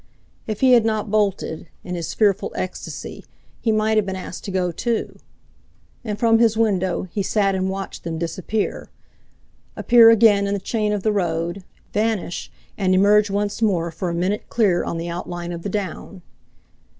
If he had not bolted, in his fearful ecstasy, he might have been asked to go too. And from his window he sat and watched them disappear, appear again in the chine of the road, vanish, and emerge once more for a minute clear on the outline of the Down.